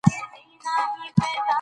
ایا حقیقي عاید په اوږدمهال کي زیاتیږي؟